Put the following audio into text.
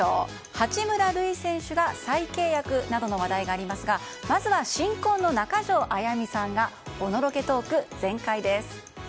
八村塁選手が再契約などの話題がありますがまずは新婚の中条あやみさんがおのろけトーク全開です。